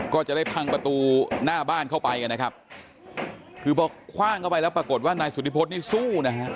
ก็จะได้พังประตูหน้าบ้านเข้าไปกันนะครับคือพอคว่างเข้าไปแล้วปรากฏว่านายสุธิพฤษนี่สู้นะฮะ